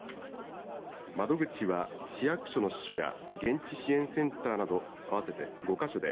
窓口は、市役所の支所や現地支援センターなど合わせて５か所で